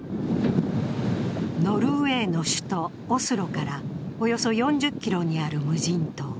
ノルウェーの首都オスロからおよそ４０ｋｍにある無人島。